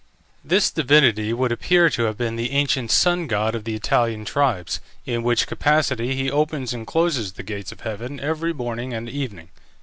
This divinity would appear to have been the ancient sun god of the Italian tribes, in which capacity he opens and closes the gates of heaven every morning and evening.